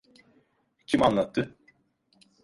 Kim anlattı?